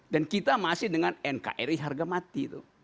dan kita masih dengan nkri harga mati tuh